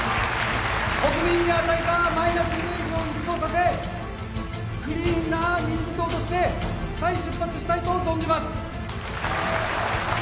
国民に与えたマイナスイメージを一掃させクリーンな民事党として再出発したいと存じます。